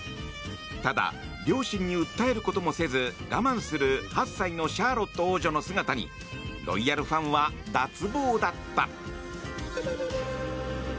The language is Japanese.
ただ両親に訴えることもせず我慢する８歳のシャーロット王女の姿にロイヤルファンは脱帽だった。